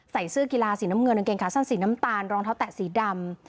เสื้อกีฬาสีน้ำเงินกางเกงขาสั้นสีน้ำตาลรองเท้าแตะสีดำ